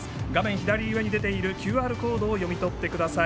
左上に出ているＱＲコードを読み取ってください。